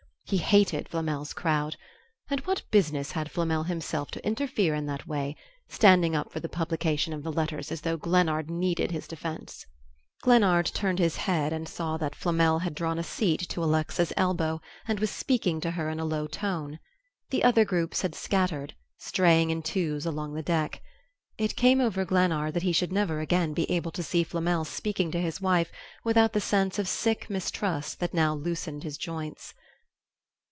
He hated Flamel's crowd and what business had Flamel himself to interfere in that way, standing up for the publication of the letters as though Glennard needed his defence?... Glennard turned his head and saw that Flamel had drawn a seat to Alexa's elbow and was speaking to her in a low tone. The other groups had scattered, straying in twos along the deck. It came over Glennard that he should never again be able to see Flamel speaking to his wife without the sense of sick mistrust that now loosened his joints....